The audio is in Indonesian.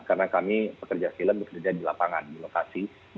karena kami pekerja film bekerja di rumah